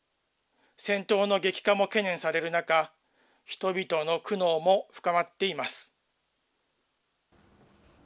戦闘の激化も懸念される中、人々の苦悩も深まっています。